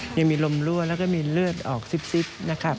ยังมีลมรั่วแล้วก็มีเลือดออกซิบนะครับ